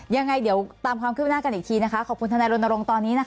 ยังไงเดี๋ยวตามความคืบหน้ากันอีกทีนะคะขอบคุณทนายรณรงค์ตอนนี้นะคะ